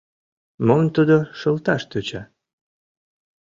Мом тудо шылташ тӧча?